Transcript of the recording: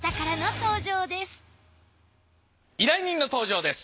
依頼人の登場です。